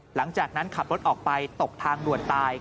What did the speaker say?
หลังจากนั้นขับรถออกไปตกทางด่วนตาย